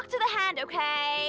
bicara sama tangan oke